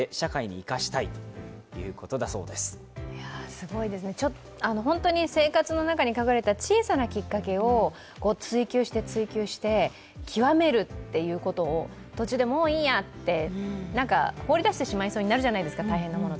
すごいですね、本当に生活の中に隠れた小さなきっかけを追究して、追究して究めるっていうことを途中で、もういいやって放り出してしまいたくなるじゃないですか、大変なこと。